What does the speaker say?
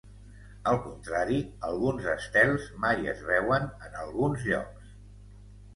Al contrari, alguns estels mai es veuen en alguns llocs.